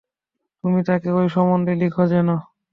তুমি তাঁকে ঐ সম্বন্ধে লিখো যেন।